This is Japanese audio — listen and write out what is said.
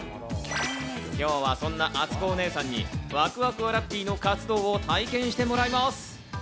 今日はそんな、あつこお姉さんにわくわくわらっぴーの活動を体験してもらいます。